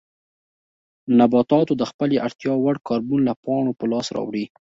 نباتاتو د خپلې اړتیا وړ کاربن له پاڼو په لاس راوړي.